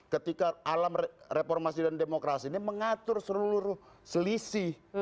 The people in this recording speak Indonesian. ketika alam reformasi dan demokrasi ini mengatur seluruh selisih